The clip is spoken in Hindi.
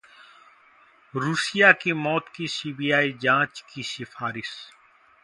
रुसिया की मौत की सीबीआई जांच की सिफारिश